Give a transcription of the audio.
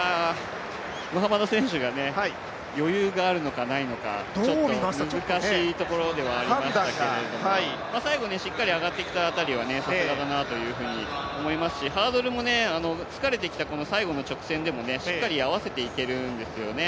ムハマド選手が余裕があるのかないのかちょっと難しいところではありましたけれども最後しっかり上がってきた辺りはさすがだなと思いますし、ハードルも、疲れてきた最後の直線でもしっかり合わせていけるんですよね。